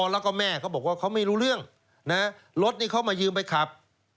แล้วก็แม่เขาบอกว่าเขาไม่รู้เรื่องรถนี่เขามายืมไปขับ